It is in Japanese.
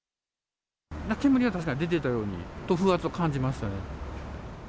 煙は確かに出てたように、風圧は感じましたね。